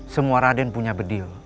semua raden punya bedil